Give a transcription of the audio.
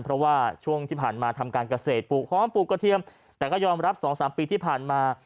เพราะว่าช่วงที่ผ่านมาทำการเกษตรปลูกหอมปลูกกระเทียมแต่ก็ยอมรับ๒๓ปีที่ผ่านมา